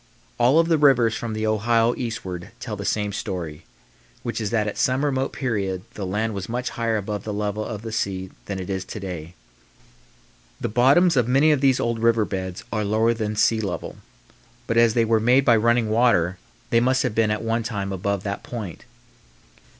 All of the rivers from the Ohio eastward tell the same story, which is that at some remote period the land was much higher above the level of the sea than it is to day. The bottoms of many of these old river beds are lower than sea level, but as they were made by running water they must have been at one time above that point.